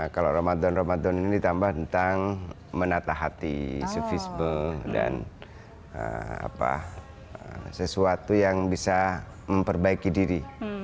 kalau ramadan ramadan ini ditambah tentang menatah hati sefisme dan sesuatu yang bisa memperbaiki diri